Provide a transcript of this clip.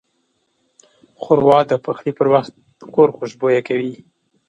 ښوروا د پخلي پر وخت کور خوشبویه کوي.